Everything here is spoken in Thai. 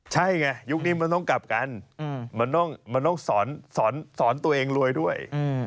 ใช่ไงยุคนี้มันต้องกลับกันมันต้องสอนตัวเองรวยด้วย